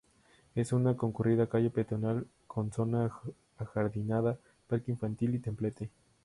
Es una concurrida calle peatonal con zona ajardinada, parque infantil y templete.